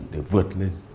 được vượt lên